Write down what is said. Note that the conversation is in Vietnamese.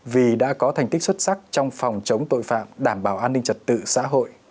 vì đã có thành tích xuất sắc trong phòng chống tội phạm đảm bảo an ninh trật tự xã hội